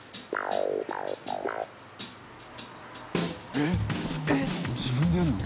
えっ自分でやるの？